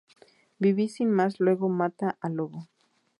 Vivi sin más luego mata al Lobo.